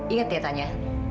ingat ya tanya